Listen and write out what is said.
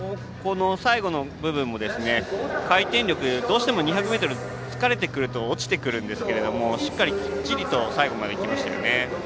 最後の部分も回転力、どうしても２００ｍ疲れてくると落ちてくるんですがしっかり、きっちりと最後までいきましたよね。